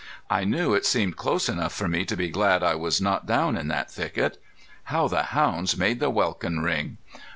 I knew it seemed close enough for me to be glad I was not down in that thicket. How the hounds made the welkin ring!